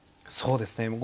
そうですね